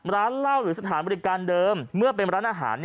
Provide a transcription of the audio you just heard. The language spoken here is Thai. ร้านเหล้าหรือสถานบริการเดิมเมื่อเป็นร้านอาหาร